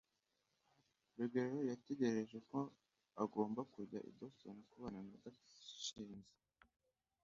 rugeyo yatekereje ko agomba kujya i boston kubana na gashinzi